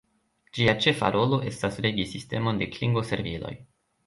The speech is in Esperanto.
Ĝia ĉefa rolo estas regi sistemon de klingo-serviloj.